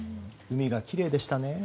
海がきれいでしたね。